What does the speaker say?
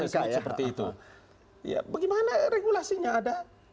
ya ya ya saya sebut seperti itu ya bagaimana regulasinya ada